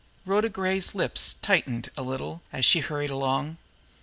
Rhoda Gray's lips tightened a little, as she hurried along.